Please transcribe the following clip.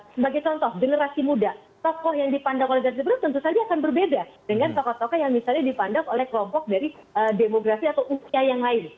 sebagai contoh generasi muda tokoh yang dipandang oleh generasi muda tentu saja akan berbeda dengan tokoh tokoh yang misalnya dipandang oleh kelompok dari demografi atau usia yang lain